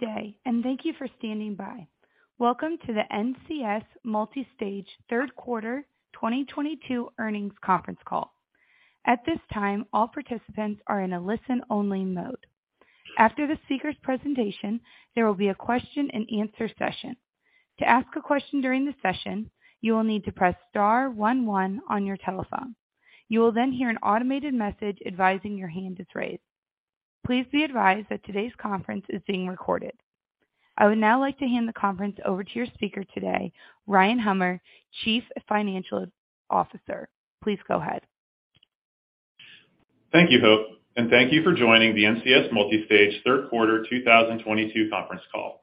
Good day and thank you for standing by. Welcome to the NCS Multistage Q3 2022 earnings conference call. At this time, all participants are in a listen-only mode. After the speaker's presentation, there will be a question-and-answer session. To ask a question during the session, you will need to press star one, one on your telephone. You will then hear an automated message advising your hand is raised. Please be advised that today's conference is being recorded. I would now like to hand the conference over to your speaker today, Ryan Hummer, Chief Financial Officer. Please go ahead. Thank you, Hope, and thank you for joining the NCS Multistage Q3 2022 conference call.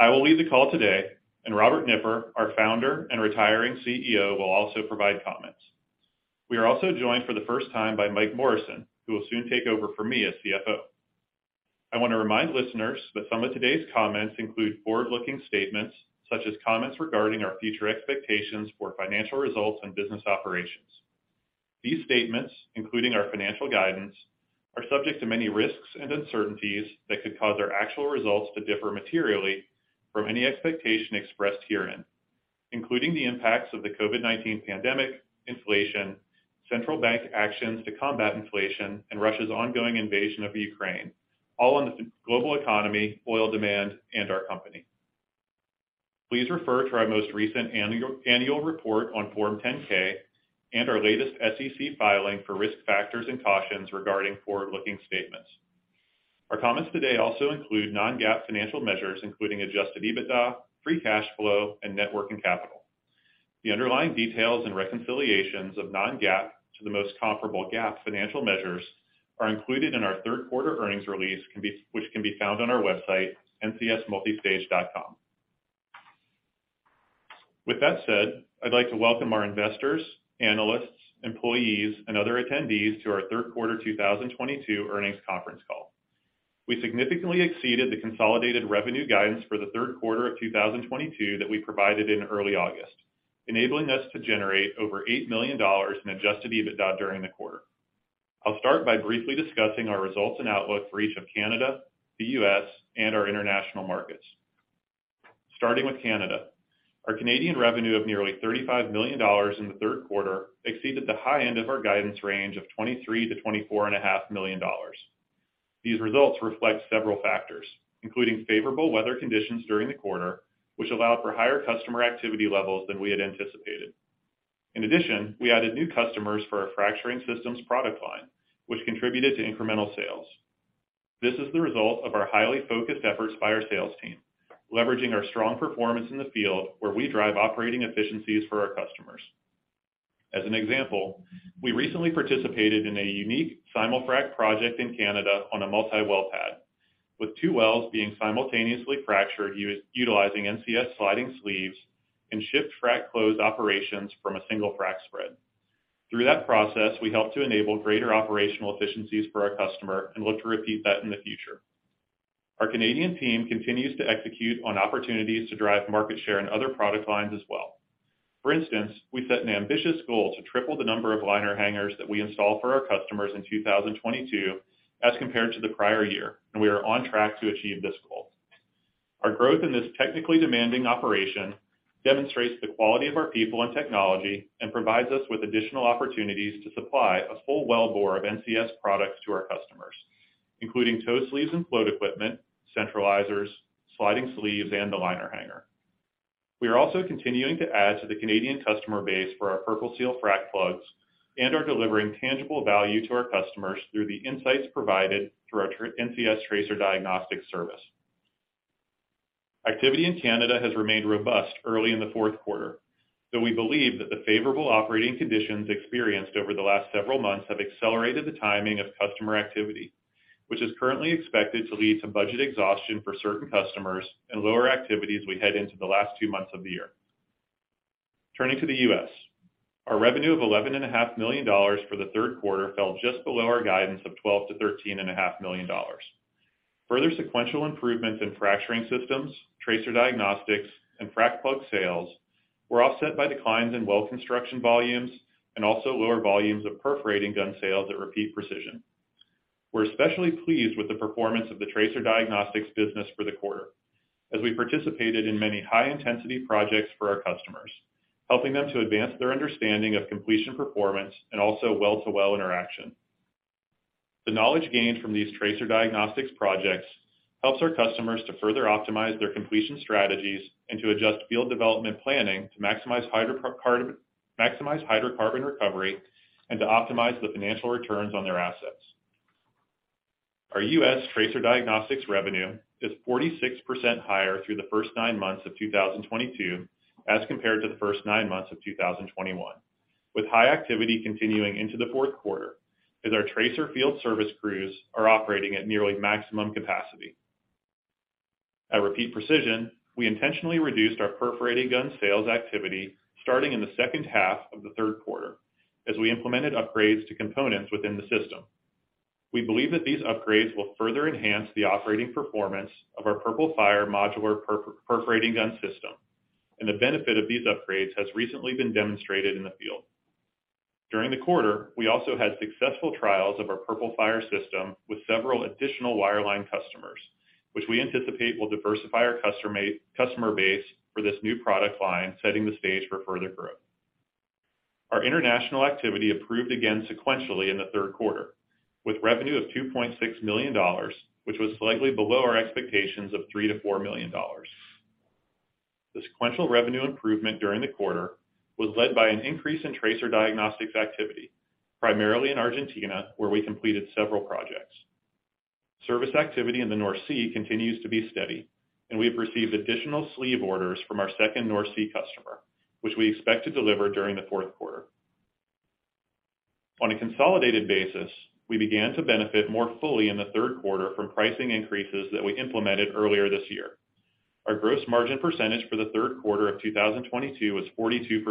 I will lead the call today, and Robert Nipper, our founder and retiring CEO, will also provide comments. We are also joined for the first time by Mike Morrison, who will soon take over for me as CFO. I want to remind listeners that some of today's comments include forward-looking statements, such as comments regarding our future expectations for financial results and business operations. These statements, including our financial guidance, are subject to many risks and uncertainties that could cause our actual results to differ materially from any expectation expressed herein, including the impacts of the COVID-19 pandemic, inflation, central bank actions to combat inflation, and Russia's ongoing invasion of Ukraine, all on the global economy, oil demand, and our company. Please refer to our most recent annual report on Form 10-K and our latest SEC filing for risk factors and cautions regarding forward-looking statements. Our comments today also include non-GAAP financial measures, including adjusted EBITDA, free cash flow, and net working capital. The underlying details and reconciliations of non-GAAP to the most comparable GAAP financial measures are included in our Q3 earnings release, which can be found on our website, ncsmultistage.com. With that said, I'd like to welcome our investors, analysts, employees, and other attendees to our Q3 2022 earnings conference call. We significantly exceeded the consolidated revenue guidance for the Q3 of 2022 that we provided in early August, enabling us to generate over $8 million in adjusted EBITDA during the quarter. I'll start by briefly discussing our results and outlook for each of Canada, the US, and our international markets. Starting with Canada. Our Canadian revenue of nearly $35 million in the Q3 exceeded the high end of our guidance range of $23-$24.5 million. These results reflect several factors, including favorable weather conditions during the quarter, which allowed for higher customer activity levels than we had anticipated. In addition, we added new customers for our fracturing systems product line, which contributed to incremental sales. This is the result of our highly focused efforts by our sales team, leveraging our strong performance in the field, where we drive operating efficiencies for our customers. As an example, we recently participated in a unique simulfrac project in Canada on a multi-well pad, with two wells being simultaneously fractured utilizing NCS sliding sleeves and Shift-Frac-Close operations from a single frac spread. Through that process, we helped to enable greater operational efficiencies for our customer and look to repeat that in the future. Our Canadian team continues to execute on opportunities to drive market share in other product lines as well. For instance, we set an ambitious goal to triple the number of liner hangers that we install for our customers in 2022 as compared to the prior year, and we are on track to achieve this goal. Our growth in this technically demanding operation demonstrates the quality of our people and technology and provides us with additional opportunities to supply a full wellbore of NCS products to our customers, including toe sleeves and float equipment, centralizers, sliding sleeves, and the liner hanger. We are also continuing to add to the Canadian customer base for our Purple Seal frac plugs and are delivering tangible value to our customers through the insights provided through our NCS Tracer Diagnostics service. Activity in Canada has remained robust early in the Q4, though we believe that the favorable operating conditions experienced over the last several months have accelerated the timing of customer activity, which is currently expected to lead to budget exhaustion for certain customers and lower activity as we head into the last two months of the year. Turning to the U.S. Our revenue of $11.5 million for the Q3 fell just below our guidance of $12-$13.5 million. Further sequential improvements in fracturing systems, Tracer Diagnostics, and frac plug sales were offset by declines in well construction volumes and also lower volumes of perforating gun sales at Repeat Precision. We're especially pleased with the performance of the Tracer Diagnostics business for the quarter as we participated in many high-intensity projects for our customers, helping them to advance their understanding of completion performance and also well-to-well interaction. The knowledge gained from these Tracer Diagnostics projects helps our customers to further optimize their completion strategies and to adjust field development planning to maximize hydrocarbon recovery and to optimize the financial returns on their assets. Our U.S. Tracer Diagnostics revenue is 46% higher through the first nine months of 2022 as compared to the first nine months of 2021, with high activity continuing into the Q4 as our Tracer Diagnostics field service crews are operating at nearly maximum capacity. At Repeat Precision, we intentionally reduced our perforating gun sales activity starting in the second half of the Q3 as we implemented upgrades to components within the system. We believe that these upgrades will further enhance the operating performance of our PurpleFire modular perforating gun system, and the benefit of these upgrades has recently been demonstrated in the field. During the quarter, we also had successful trials of our PurpleFire system with several additional wireline customers, which we anticipate will diversify our customer base for this new product line, setting the stage for further growth. Our international activity improved again sequentially in the Q3, with revenue of $2.6 million, which was slightly below our expectations of $3-$4 million. The sequential revenue improvement during the quarter was led by an increase in tracer diagnostics activity, primarily in Argentina, where we completed several projects. Service activity in the North Sea continues to be steady, and we have received additional sleeve orders from our second North Sea customer, which we expect to deliver during the Q4. On a consolidated basis, we began to benefit more fully in the Q3 from pricing increases that we implemented earlier this year. Our gross margin percentage for the Q3 of 2022 was 42%,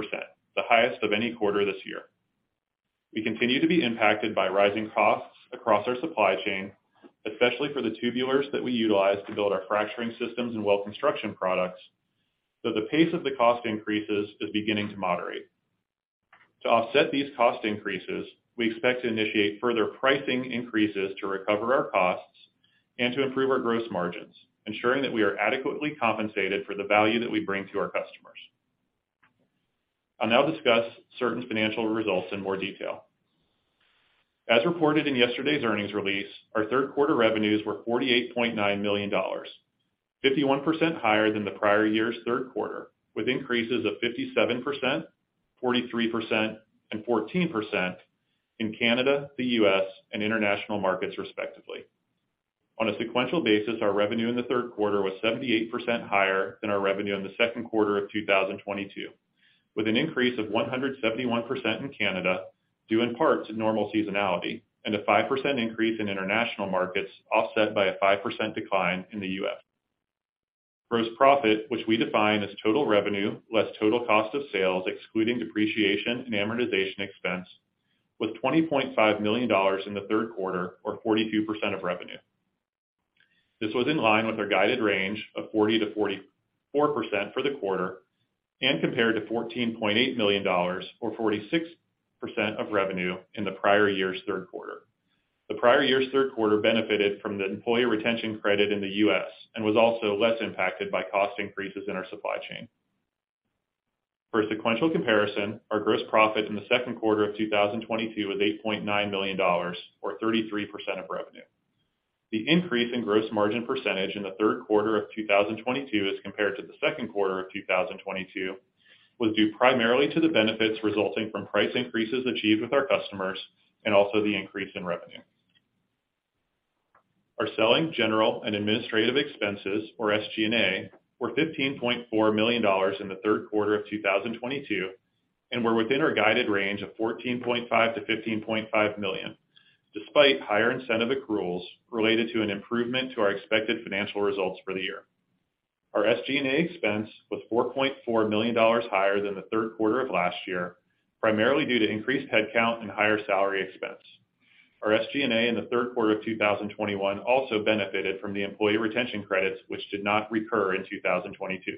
the highest of any quarter this year. We continue to be impacted by rising costs across our supply chain, especially for the tubulars that we utilize to build our fracturing systems and well construction products, though the pace of the cost increases is beginning to moderate. To offset these cost increases, we expect to initiate further pricing increases to recover our costs and to improve our gross margins, ensuring that we are adequately compensated for the value that we bring to our customers. I'll now discuss certain financial results in more detail. As reported in yesterday's earnings release, our Q3 revenues were $48.9 million, 51% higher than the prior year's Q3, with increases of 57%, 43%, and 14% in Canada, the US, and international markets, respectively. On a sequential basis, our revenue in the Q3 was 78% higher than our revenue in the Q2 of 2022, with an increase of 171% in Canada, due in part to normal seasonality, and a 5% increase in international markets, offset by a 5% decline in the US. Gross profit, which we define as total revenue less total cost of sales, excluding depreciation and amortization expense, was $20.5 million in the Q3, or 42% of revenue. This was in line with our guided range of 40%-44% for the quarter and compared to $14.8 million or 46% of revenue in the prior year's Q3. The prior year's Q3 benefited from the Employee Retention Credit in the U.S. and was also less impacted by cost increases in our supply chain. For a sequential comparison, our gross profit in the Q2 of 2022 was $8.9 million, or 33% of revenue. The increase in gross margin percentage in the Q3 of 2022 as compared to the Q2 of 2022 was due primarily to the benefits resulting from price increases achieved with our customers and also the increase in revenue. Our selling, general, and administrative expenses, or SG&A, were $15.4 million in the Q3 of 2022 and were within our guided range of $14.5-$15.5 million, despite higher incentive accruals related to an improvement to our expected financial results for the year. Our SG&A expense was $4.4 million higher than the Q3 of last year, primarily due to increased headcount and higher salary expense. Our SG&A in the Q3 of 2021 also benefited from the employee retention credits, which did not recur in 2022.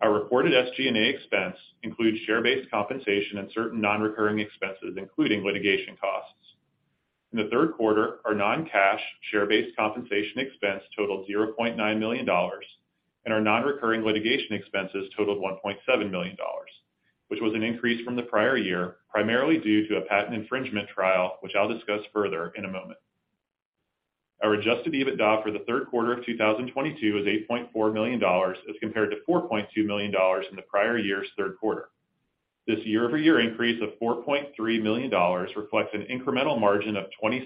Our reported SG&A expense includes share-based compensation and certain non-recurring expenses, including litigation costs. In the Q3, our non-cash share-based compensation expense totaled $0.9 million and our non-recurring litigation expenses totaled $1.7 million, which was an increase from the prior year, primarily due to a patent infringement trial, which I'll discuss further in a moment. Our Adjusted EBITDA for the Q3 of 2022 was $8.4 million as compared to $4.2 million in the prior year's Q3. This year-over-year increase of $4.3 million reflects an incremental margin of 26%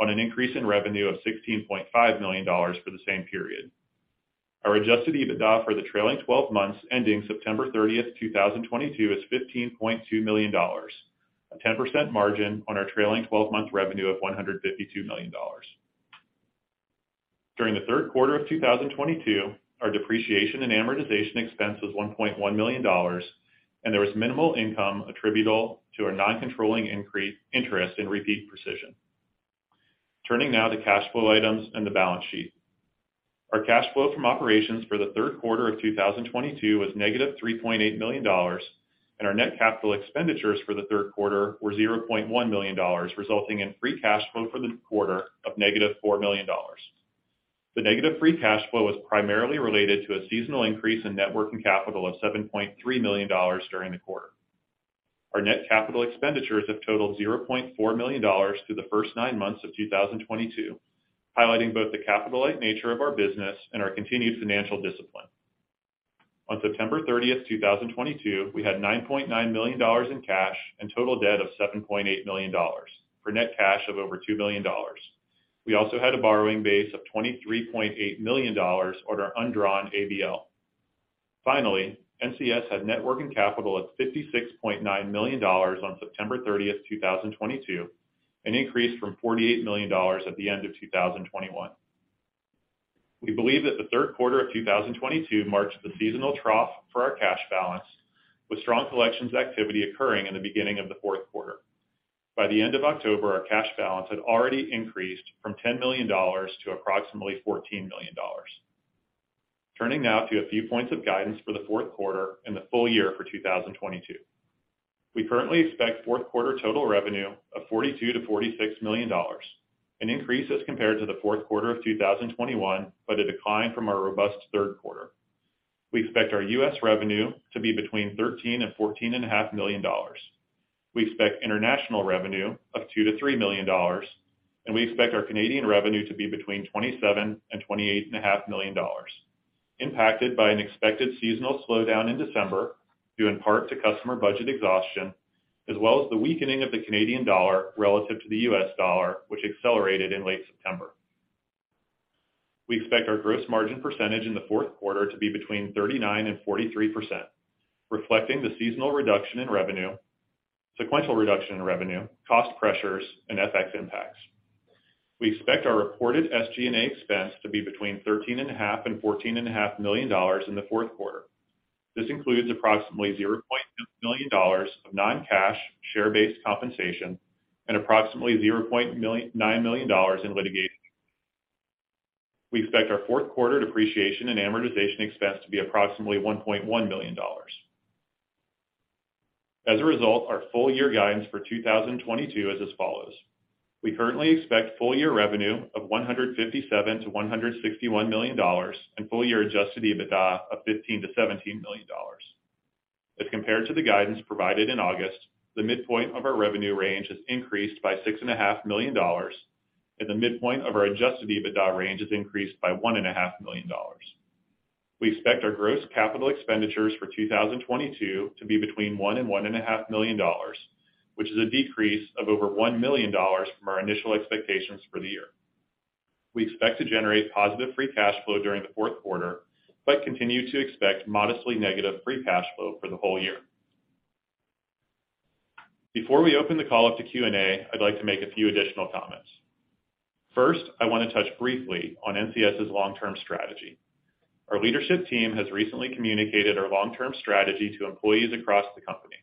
on an increase in revenue of $16.5 million for the same period. Our Adjusted EBITDA for the trailing twelve months ending September 30, 2022 is $15.2 million, a 10% margin on our trailing twelve-month revenue of $152 million. During the Q3 of 2022, our depreciation and amortization expense was $1.1 million, and there was minimal income attributable to our non-controlling interest in Repeat Precision. Turning now to cash flow items and the balance sheet. Our cash flow from operations for the Q3 of 2022 was -$3.8 million, and our net capital expenditures for the Q3 were $0.1 million, resulting in free cash flow for the quarter of -$4 million. The negative free cash flow was primarily related to a seasonal increase in net working capital of $7.3 million during the quarter. Our net capital expenditures have totaled $0.4 million through the first nine months of 2022, highlighting both the capital-light nature of our business and our continued financial discipline. On September thirtieth, 2022, we had $9.9 million in cash and total debt of $7.8 million for net cash of over $2 million. We also had a borrowing base of $23.8 million on our undrawn ABL. Finally, NCS had net working capital at $56.9 million on September thirtieth, 2022, an increase from $48 million at the end of 2021. We believe that the Q3 of 2022 marks the seasonal trough for our cash balance, with strong collections activity occurring in the beginning of the Q4. By the end of October, our cash balance had already increased from $10 million to approximately $14 million. Turning now to a few points of guidance for the Q4 and the full year for 2022. We currently expect Q4 total revenue of $42 -$46 million, an increase as compared to the Q4 of 2021, but a decline from our robust Q3. We expect our U.S. revenue to be between $13 million and $14.5 million. We expect international revenue of $2-$3 million, and we expect our Canadian revenue to be between $27 and $28.5 million, impacted by an expected seasonal slowdown in December, due in part to customer budget exhaustion, as well as the weakening of the Canadian dollar relative to the US dollar, which accelerated in late September. We expect our gross margin percentage in the Q4 to be between 39%-43%, reflecting the sequential reduction in revenue, cost pressures, and FX impacts. We expect our reported SG&A expense to be between $13.5 and $14.5 million in the Q4. This includes approximately $0.2 million of non-cash share-based compensation and approximately $0.9 million in litigation. We expect our Q4 depreciation and amortization expense to be approximately $1.1 million. As a result, our full year guidance for 2022 is as follows. We currently expect full year revenue of $157 -$161 million and full year Adjusted EBITDA of $15-$17 million. As compared to the guidance provided in August, the midpoint of our revenue range has increased by $6.5 million, and the midpoint of our Adjusted EBITDA range has increased by $1.5 million. We expect our gross capital expenditures for 2022 to be between $1 million and $1.5 million, which is a decrease of over $1 million from our initial expectations for the year. We expect to generate positive free cash flow during the Q4, but continue to expect modestly negative free cash flow for the whole year. Before we open the call up to Q&A, I'd like to make a few additional comments. First, I want to touch briefly on NCS's long-term strategy. Our leadership team has recently communicated our long-term strategy to employees across the company.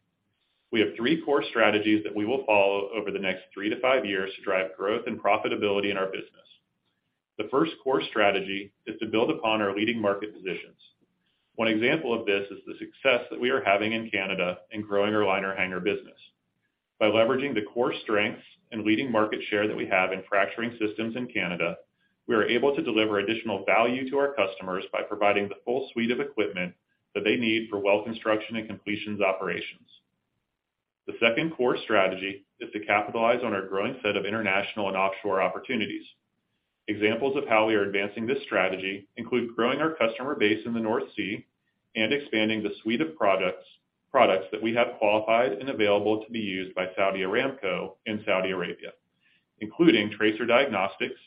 We have three core strategies that we will follow over the next three to five years to drive growth and profitability in our business. The first core strategy is to build upon our leading market positions. One example of this is the success that we are having in Canada in growing our Liner Hanger business. By leveraging the core strengths and leading market share that we have in fracturing systems in Canada, we are able to deliver additional value to our customers by providing the full suite of equipment that they need for well construction and completions operations. The second core strategy is to capitalize on our growing set of international and offshore opportunities. Examples of how we are advancing this strategy include growing our customer base in the North Sea and expanding the suite of products that we have qualified and available to be used by Saudi Aramco in Saudi Arabia, including Tracer Diagnostics,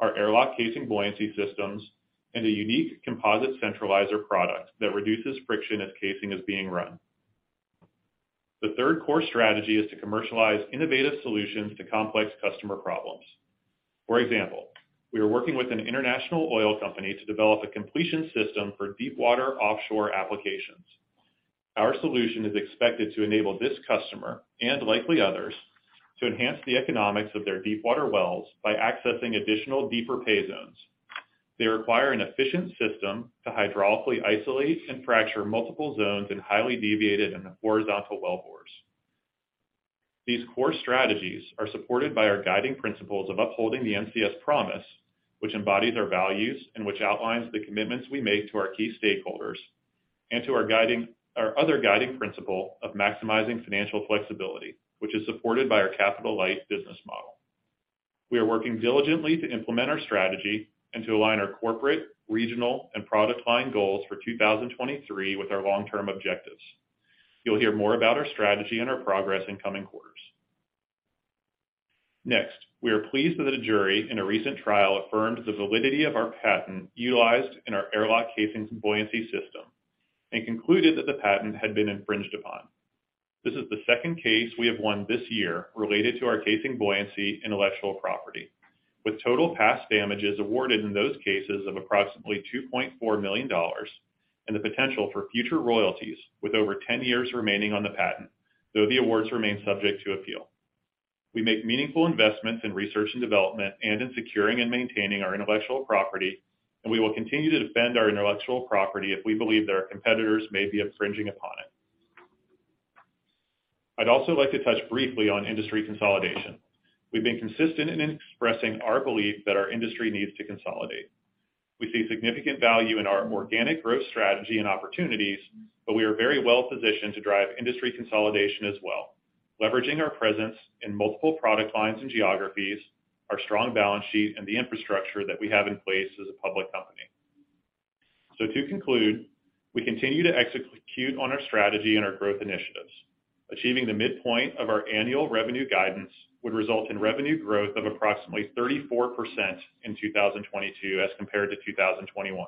our AirLock casing buoyancy systems, and a unique composite centralizer product that reduces friction as casing is being run. The third core strategy is to commercialize innovative solutions to complex customer problems. For example, we are working with an international oil company to develop a completion system for deepwater offshore applications. Our solution is expected to enable this customer, and likely others, to enhance the economics of their deepwater wells by accessing additional deeper pay zones. They require an efficient system to hydraulically isolate and fracture multiple zones in highly deviated and horizontal wellbores. These core strategies are supported by our guiding principles of upholding the NCS promise, which embodies our values and which outlines the commitments we make to our key stakeholders, and our other guiding principle of maximizing financial flexibility, which is supported by our capital-light business model. We are working diligently to implement our strategy and to align our corporate, regional, and product line goals for 2023 with our long-term objectives. You'll hear more about our strategy and our progress in coming quarters. Next, we are pleased that a jury in a recent trial affirmed the validity of our patent utilized in our AirLock casing buoyancy system and concluded that the patent had been infringed upon. This is the second case we have won this year related to our casing buoyancy intellectual property, with total past damages awarded in those cases of approximately $2.4 million and the potential for future royalties with over 10 years remaining on the patent, though the awards remain subject to appeal. We make meaningful investments in research and development and in securing and maintaining our intellectual property, and we will continue to defend our intellectual property if we believe that our competitors may be infringing upon it. I'd also like to touch briefly on industry consolidation. We've been consistent in expressing our belief that our industry needs to consolidate. We see significant value in our organic growth strategy and opportunities, but we are very well positioned to drive industry consolidation as well, leveraging our presence in multiple product lines and geographies, our strong balance sheet, and the infrastructure that we have in place as a public company. To conclude, we continue to execute on our strategy and our growth initiatives. Achieving the midpoint of our annual revenue guidance would result in revenue growth of approximately 34% in 2022 as compared to 2021.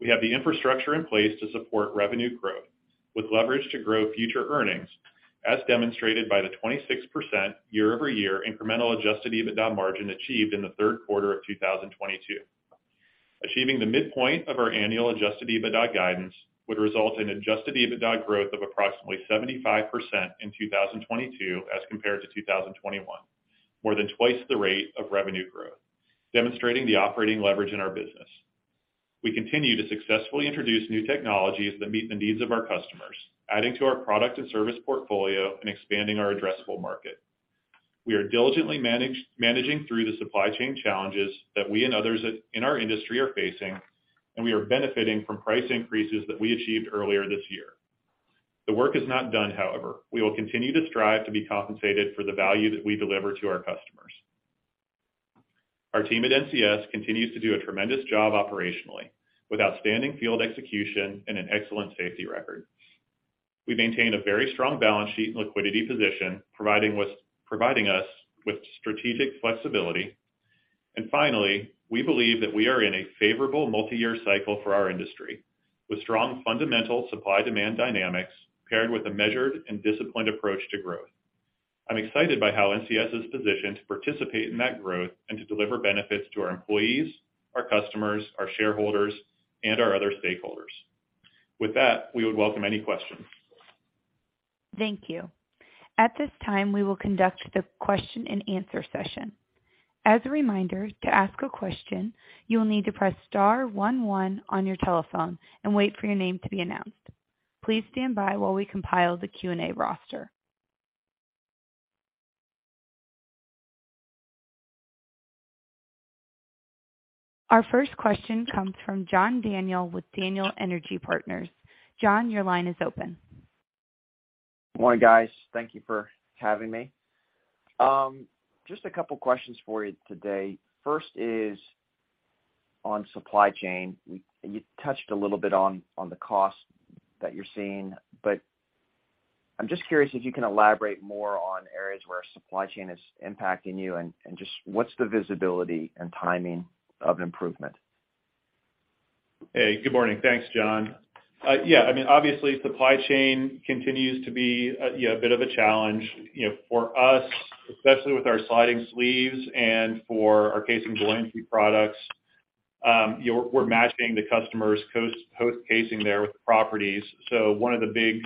We have the infrastructure in place to support revenue growth with leverage to grow future earnings, as demonstrated by the 26% year-over-year incremental Adjusted EBITDA margin achieved in the Q3 of 2022. Achieving the midpoint of our annual Adjusted EBITDA guidance would result in Adjusted EBITDA growth of approximately 75% in 2022 as compared to 2021. More than twice the rate of revenue growth, demonstrating the operating leverage in our business. We continue to successfully introduce new technologies that meet the needs of our customers, adding to our product and service portfolio and expanding our addressable market. We are diligently managing through the supply chain challenges that we and others in our industry are facing, and we are benefiting from price increases that we achieved earlier this year. The work is not done, however. We will continue to strive to be compensated for the value that we deliver to our customers. Our team at NCS continues to do a tremendous job operationally, with outstanding field execution and an excellent safety record. We maintain a very strong balance sheet and liquidity position, providing us with strategic flexibility. Finally, we believe that we are in a favorable multiyear cycle for our industry, with strong fundamental supply-demand dynamics paired with a measured and disciplined approach to growth. I'm excited by how NCS is positioned to participate in that growth and to deliver benefits to our employees, our customers, our shareholders, and our other stakeholders. With that, we would welcome any questions. Thank you. At this time, we will conduct the question-and-answer session. As a reminder, to ask a question, you will need to press star one, one on your telephone and wait for your name to be announced. Please stand by while we compile the Q&A roster. Our first question comes from John Daniel with Daniel Energy Partners. John, your line is open. Good morning, guys. Thank you for having me. Just a couple of questions for you today. First is on supply chain. You touched a little bit on the cost that you're seeing, but I'm just curious if you can elaborate more on areas where supply chain is impacting you and just what's the visibility and timing of improvement? Hey, good morning. Thanks, John. Yeah, I mean, obviously, supply chain continues to be a bit of a challenge for us, especially with our sliding sleeves and for our casing and blowout products. You know, we're matching the customer's custom casing there with properties. One of the big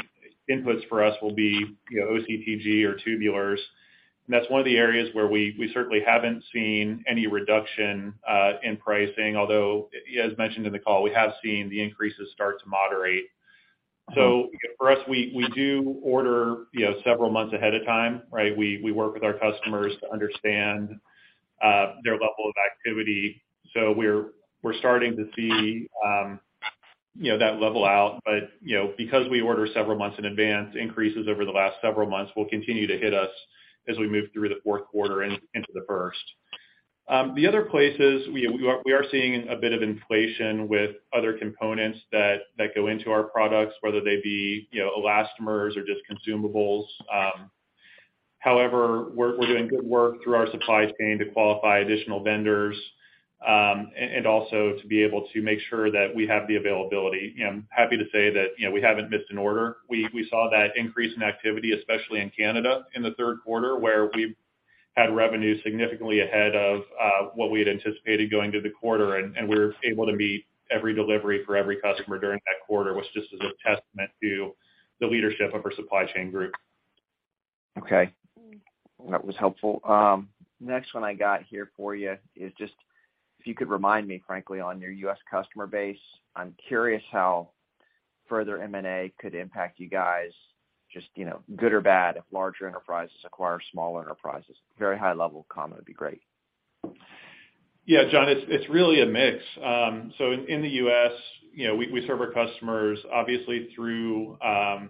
inputs for us will be OCTG or tubulars. That's one of the areas where we certainly haven't seen any reduction in pricing. Although, as mentioned in the call, we have seen the increases start to moderate. For us, we do order several months ahead of time, right? We work with our customers to understand their level of activity. We're starting to see that level out. You know, because we order several months in advance, increases over the last several months will continue to hit us as we move through the Q4 and into the first. The other places we are seeing a bit of inflation with other components that go into our products, whether they be, you know, elastomers or just consumables. However, we're doing good work through our supply chain to qualify additional vendors and also to be able to make sure that we have the availability. I'm happy to say that, you know, we haven't missed an order. We saw that increase in activity, especially in Canada in the Q3, where we had revenue significantly ahead of what we had anticipated going into the quarter, and we were able to meet every delivery for every customer during that quarter, which just is a testament to the leadership of our supply chain group. Okay. That was helpful. Next one I got here for you is just if you could remind me, frankly, on your U.S. customer base, I'm curious how further M&A could impact you guys, just, you know, good or bad if larger enterprises acquire smaller enterprises. Very high-level comment would be great. Yeah, John, it's really a mix. In the US, you know, we serve our customers obviously through our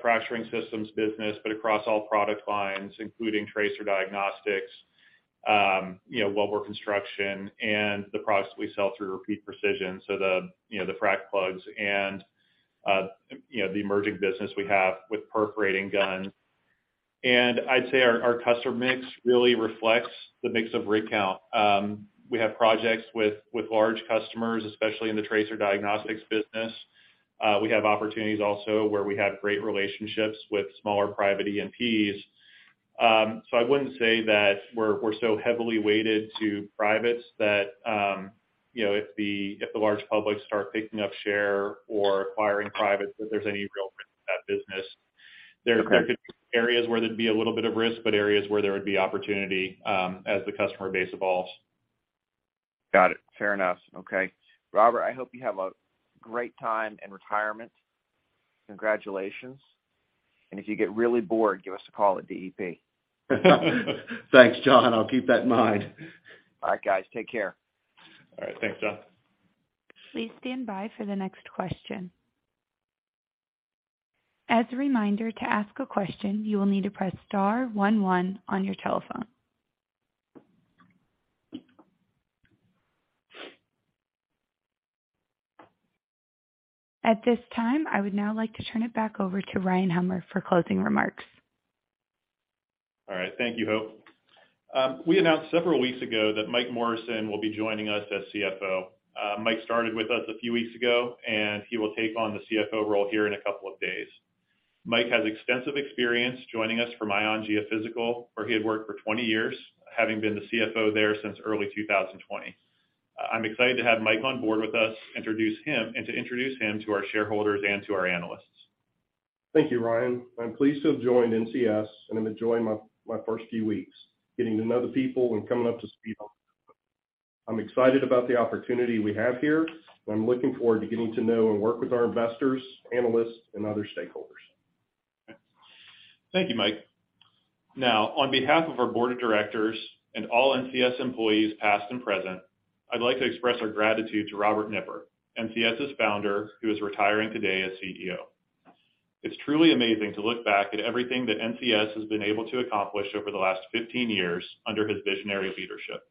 fracturing systems business, but across all product lines, including tracer diagnostics, wellbore construction and the products we sell through Repeat Precision. The frac plugs and the emerging business we have with perforating guns. I'd say our customer mix really reflects the mix of rig count. We have projects with large customers, especially in the tracer diagnostics business. We have opportunities also where we have great relationships with smaller private E&Ps. I wouldn't say that we're so heavily weighted to privates that if the large publics start picking up share or acquiring privates, that there's any real risk to that business. Okay. There could be areas where there'd be a little bit of risk, but areas where there would be opportunity, as the customer base evolves. Got it. Fair enough. Okay. Robert, I hope you have a great time in retirement. Congratulations. If you get really bored, give us a call at DEP. Thanks, John. I'll keep that in mind. All right, guys. Take care. All right. Thanks, John. Please stand by for the next question. As a reminder, to ask a question, you will need to press star one, one on your telephone. At this time, I would now like to turn it back over to Ryan Hummer for closing remarks. All right. Thank you, Hope. We announced several weeks ago that Michael Morrison will be joining us as CFO. Mike started with us a few weeks ago, and he will take on the CFO role here in a couple of days. Mike has extensive experience joining us from ION Geophysical, where he had worked for 20 years, having been the CFO there since early 2020. I'm excited to have Mike on board with us, introduce him, and to introduce him to our shareholders and to our analysts. Thank you, Ryan. I'm pleased to have joined NCS, and I'm enjoying my first few weeks getting to know the people and coming up to speed on the business. I'm excited about the opportunity we have here. I'm looking forward to getting to know and work with our investors, analysts, and other stakeholders. Thank you, Mike. Now, on behalf of our board of directors and all NCS employees, past and present, I'd like to express our gratitude to Robert Nipper, NCS's founder, who is retiring today as CEO. It's truly amazing to look back at everything that NCS has been able to accomplish over the last 15 years under his visionary leadership.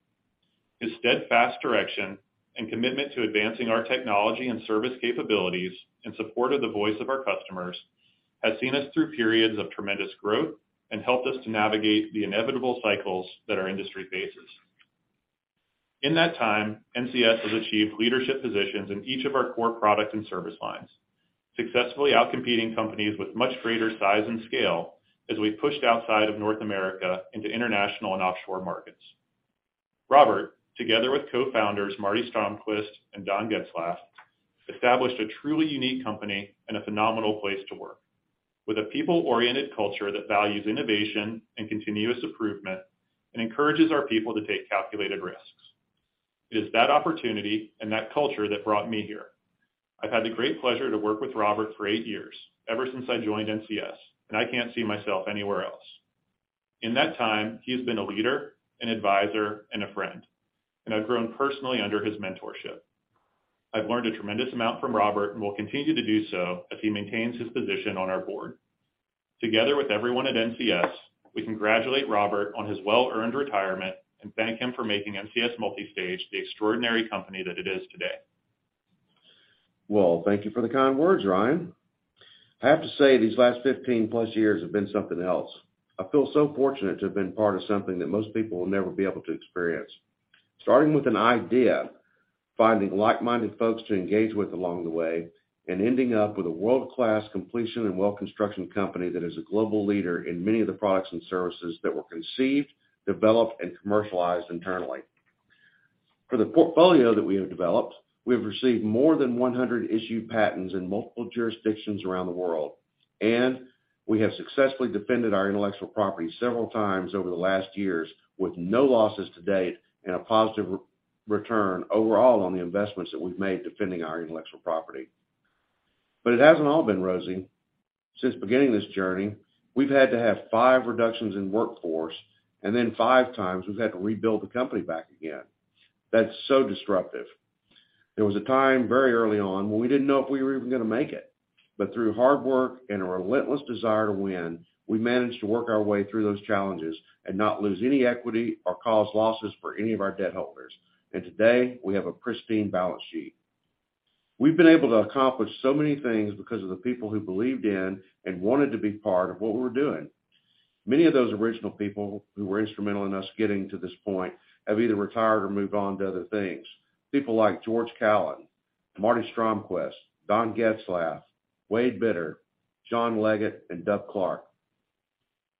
His steadfast direction and commitment to advancing our technology and service capabilities in support of the voice of our customers has seen us through periods of tremendous growth and helped us to navigate the inevitable cycles that our industry faces. In that time, NCS has achieved leadership positions in each of our core product and service lines, successfully out-competing companies with much greater size and scale as we pushed outside of North America into international and offshore markets. Robert, together with co-founders Marty Stromquist and Don Getzlaf, established a truly unique company and a phenomenal place to work, with a people-oriented culture that values innovation and continuous improvement and encourages our people to take calculated risks. It is that opportunity and that culture that brought me here. I've had the great pleasure to work with Robert for eight years, ever since I joined NCS, and I can't see myself anywhere else. In that time, he has been a leader, an advisor, and a friend, and I've grown personally under his mentorship. I've learned a tremendous amount from Robert and will continue to do so as he maintains his position on our board. Together with everyone at NCS, we congratulate Robert on his well-earned retirement and thank him for making NCS Multistage the extraordinary company that it is today. Well, thank you for the kind words, Ryan. I have to say, these last 15-plus years have been something else. I feel so fortunate to have been part of something that most people will never be able to experience. Starting with an idea, finding like-minded folks to engage with along the way, and ending up with a world-class completion and well construction company that is a global leader in many of the products and services that were conceived, developed, and commercialized internally. For the portfolio that we have developed, we have received more than 100 issued patents in multiple jurisdictions around the world, and we have successfully defended our intellectual property several times over the last years with no losses to date and a positive return overall on the investments that we've made defending our intellectual property. It hasn't all been rosy. Since beginning this journey, we've had to have five reductions in workforce, and then five times we've had to rebuild the company back again. That's so disruptive. There was a time very early on when we didn't know if we were even going to make it. Through hard work and a relentless desire to win, we managed to work our way through those challenges and not lose any equity or cause losses for any of our debt holders. Today, we have a pristine balance sheet. We've been able to accomplish so many things because of the people who believed in and wanted to be part of what we're doing. Many of those original people who were instrumental in us getting to this point have either retired or moved on to other things. People like George Callow, Marty Stromquist, Don Getzlaf, Wade Bitter, John Leggett, and Doug Clark.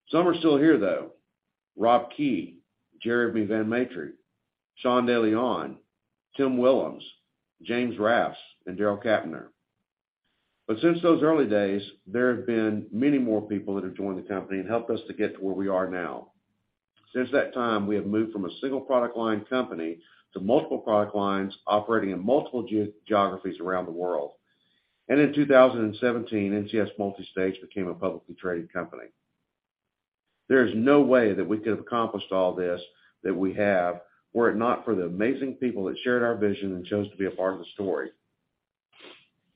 Some are still here, though, Robert Kee, Jeremy Vanmatre, Sean De Leon, Tim Willems, James Raths, and Daryl Kapner. Since those early days, there have been many more people that have joined the company and helped us to get to where we are now. Since that time, we have moved from a single product line company to multiple product lines operating in multiple geographies around the world. In 2017, NCS Multistage became a publicly traded company. There is no way that we could have accomplished all this that we have were it not for the amazing people that shared our vision and chose to be a part of the story.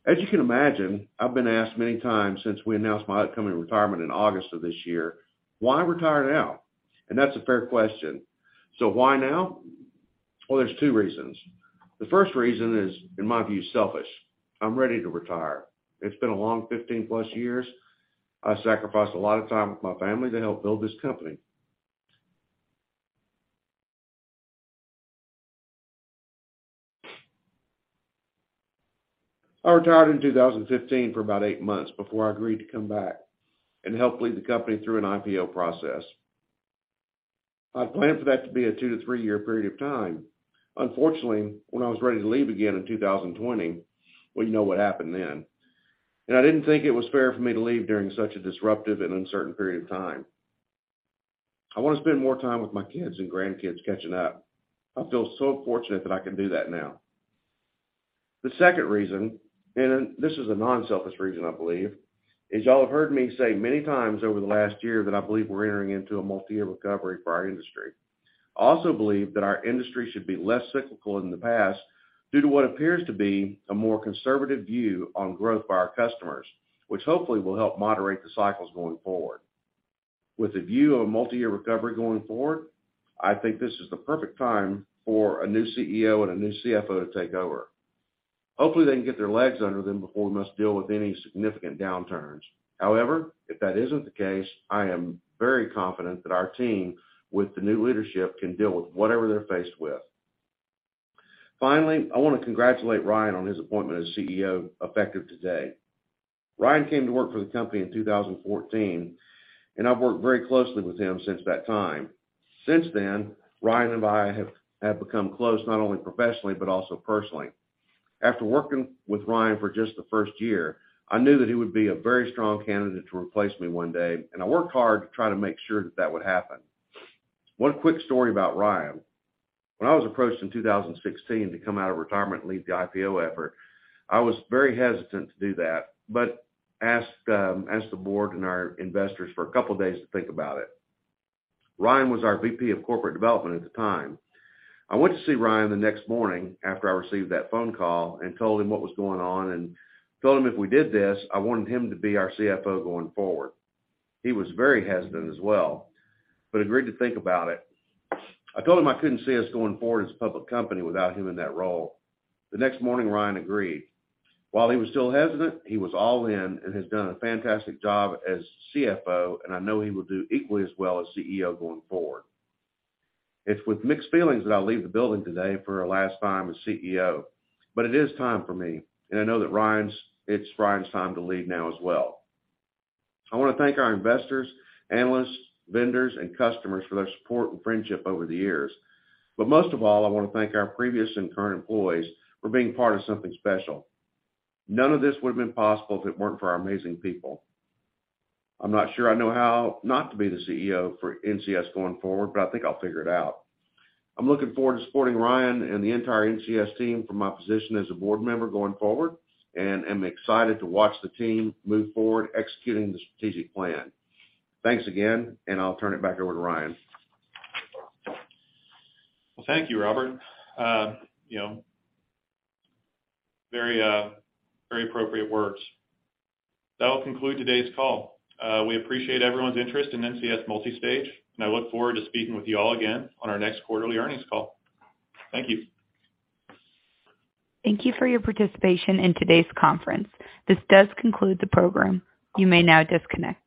As you can imagine, I've been asked many times since we announced my upcoming retirement in August of this year, why retire now? That's a fair question. Why now? Well, there's two reasons. The first reason is, in my view, selfish. I'm ready to retire. It's been a long 15-plus years. I sacrificed a lot of time with my family to help build this company. I retired in 2015 for about eight months before I agreed to come back and help lead the company through an IPO process. I planned for that to be a two to three-year period of time. Unfortunately, when I was ready to leave again in 2020, well, you know what happened then. I didn't think it was fair for me to leave during such a disruptive and uncertain period of time. I want to spend more time with my kids and grandkids catching up. I feel so fortunate that I can do that now. The second reason, and this is a non-selfish reason, I believe, is y'all have heard me say many times over the last year that I believe we're entering into a multi-year recovery for our industry. I also believe that our industry should be less cyclical than in the past due to what appears to be a more conservative view on growth by our customers, which hopefully will help moderate the cycles going forward. With a view of a multi-year recovery going forward, I think this is the perfect time for a new CEO and a new CFO to take over. Hopefully, they can get their legs under them before we must deal with any significant downturns. However, if that isn't the case, I am very confident that our team with the new leadership can deal with whatever they're faced with. Finally, I want to congratulate Ryan on his appointment as CEO effective today. Ryan came to work for the company in 2014, and I've worked very closely with him since that time. Since then, Ryan and I have become close, not only professionally, but also personally. After working with Ryan for just the first year, I knew that he would be a very strong candidate to replace me one day, and I worked hard to try to make sure that that would happen. One quick story about Ryan. When I was approached in 2016 to come out of retirement and lead the IPO effort, I was very hesitant to do that, but asked the board and our investors for a couple of days to think about it. Ryan was our VP of corporate development at the time. I went to see Ryan the next morning after I received that phone call and told him what was going on and told him if we did this, I wanted him to be our CFO going forward. He was very hesitant as well, but agreed to think about it. I told him I couldn't see us going forward as a public company without him in that role. The next morning, Ryan agreed. While he was still hesitant, he was all in and has done a fantastic job as CFO, and I know he will do equally as well as CEO going forward. It's with mixed feelings that I leave the building today for our last time as CEO. It is time for me, and I know that it's Ryan's time to lead now as well. I want to thank our investors, analysts, vendors, and customers for their support and friendship over the years. Most of all, I want to thank our previous and current employees for being part of something special. None of this would have been possible if it weren't for our amazing people. I'm not sure I know how not to be the CEO for NCS going forward, but I think I'll figure it out. I'm looking forward to supporting Ryan and the entire NCS team from my position as a board member going forward and am excited to watch the team move forward executing the strategic plan. Thanks again, and I'll turn it back over to Ryan. Well, thank you, Robert. You know, very appropriate words. That will conclude today's call. We appreciate everyone's interest in NCS Multistage, and I look forward to speaking with you all again on our next quarterly earnings call. Thank you. Thank you for your participation in today's conference. This does conclude the program. You may now disconnect.